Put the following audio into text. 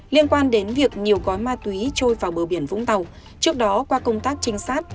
liên quan đến việc nhiều gói ma túy trôi vào bờ biển vũng tàu trước đó qua công tác trinh sát